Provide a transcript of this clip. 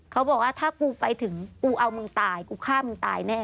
เขาบอกว่าถ้ากูไปถึงกูเอามึงตายกูฆ่ามึงตายแน่